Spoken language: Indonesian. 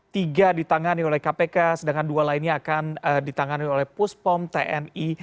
tiga ditangani oleh kpk sedangkan dua lainnya akan ditangani oleh puspom tni